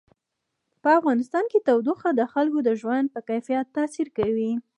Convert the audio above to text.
په افغانستان کې تودوخه د خلکو د ژوند په کیفیت تاثیر کوي.